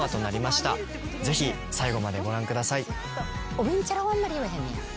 おべんちゃらはあんまり言わへんねや。